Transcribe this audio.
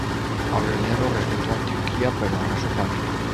Aureliano respetó Antioquia pero arrasó Palmira.